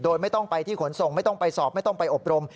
โดยไม่ต้องไปที่ขนส่งไม่ต้องไปสอบไม่ต้องไปอบรม